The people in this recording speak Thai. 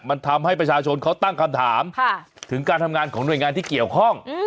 มันทำให้ประชาชนเขาตั้งคำถามถึงการทำงานของหน่วยงานที่เกี่ยวข้อง